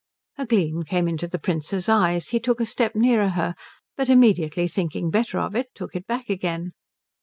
A gleam came into the Prince's eyes. He took a step nearer her, but immediately thinking better of it took it back again.